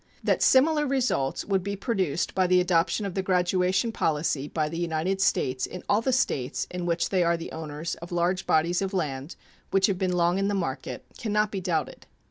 That similar results would be produced by the adoption of the graduation policy by the United States in all the States in which they are the owners of large bodies of lands which have been long in the market can not be doubted.